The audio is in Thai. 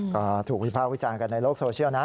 ก็ถูกวิภาควิจารณ์กันในโลกโซเชียลนะ